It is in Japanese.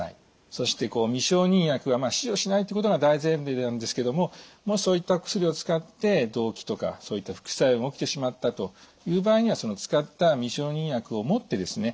そして未承認薬は使用しないということが大前提なんですけどももしそういったお薬を使って動悸とかそういった副作用が起きてしまったという場合にはその使った未承認薬を持ってですね